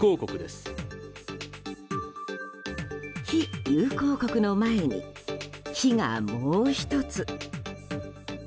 非友好国の前に「非」がもう１つ。